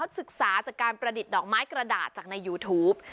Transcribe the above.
ศึกษาจากการประดิษฐ์ดอกไม้กระดาษจากในยูทูป